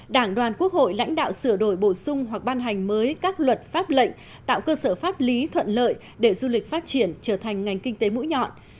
đảng đoàn quốc hội lãnh đạo sửa đổi bổ sung hoặc ban hành mới các luật pháp lệnh tạo cơ sở pháp lý thuận lợi để du lịch phát triển trở thành ngành kinh tế mũi nhọn